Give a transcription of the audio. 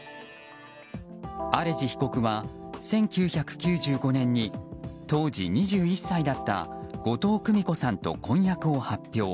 アレジ被告は１９９５年に当時２１歳だった後藤久美子さんと婚約を発表。